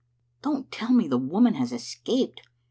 " Don't tell me the woman has escaped?"